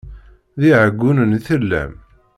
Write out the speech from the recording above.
D iɛeggunen i tellam?